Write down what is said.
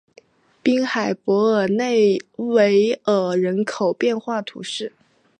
滨海伯内尔维尔人口变化图示